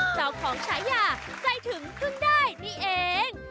เจ้าของใช้อย่าใจถึงคึ่งได้นี่เอง